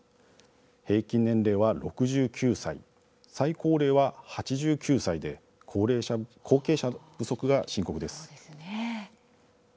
平均年齢は６９歳最高齢は８９歳で後継者不足が深刻です。